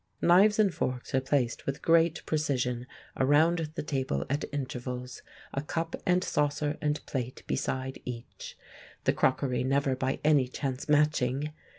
Knives and forks are placed with great precision around the table at intervals, a cup and saucer and plate beside each, the crockery never by any chance matching!